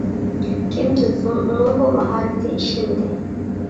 كىم بىلسۇن، ئۇنىڭ بۇ ماھارىتى ئىشلىمىدى.